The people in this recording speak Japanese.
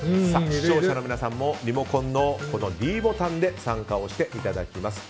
視聴者の皆さんもリモコンのｄボタンで参加をしていただきます。